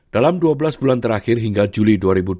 dalam dua belas bulan terakhir hingga juli dua ribu dua puluh